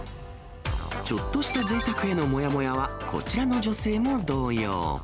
ちょっとしたぜいたくへのもやもやは、こちらの女性も同様。